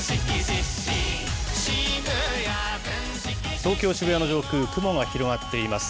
東京・渋谷の上空、雲が広がっています。